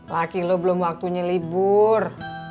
lagi lo belum waktunya libur